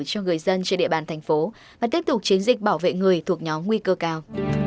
cho người dân trên địa bàn thành phố và tiếp tục chiến dịch bảo vệ người thuộc nhóm nguy cơ cao